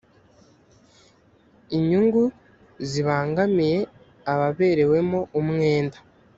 inyungu zibangamiye ababerewemo umwenda.